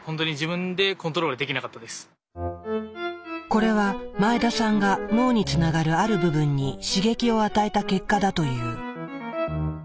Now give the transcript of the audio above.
これは前田さんが脳につながるある部分に刺激を与えた結果だという。